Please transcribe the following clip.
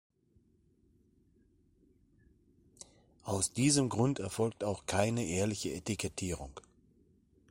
Aus diesem Grund erfolgt auch keine ehrliche Etikettierung.